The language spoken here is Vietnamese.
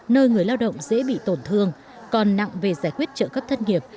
nơi người lao động dễ bị tổn thương còn nặng về giải quyết trợ cấp thất nghiệp